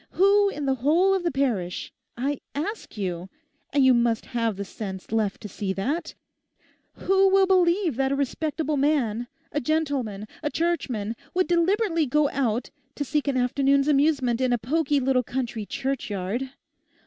Who in the whole of the parish—I ask you—and you must have the sense left to see that—who will believe that a respectable man, a gentleman, a Churchman, would deliberately go out to seek an afternoon's amusement in a poky little country churchyard?